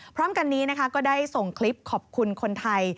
พร้อมกันนี้นะคะก็ได้ส่งคลิปขอบคุณคนไทย